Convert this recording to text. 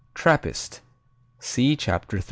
Trappist see Chapter 3.